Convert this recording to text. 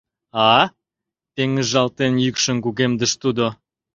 А? — пеҥыжалтен, йӱкшым кугемдыш тудо.